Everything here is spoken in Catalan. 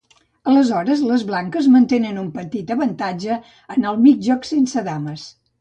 Aleshores, les blanques mantenen un petit avantatge en el mig joc sense dames.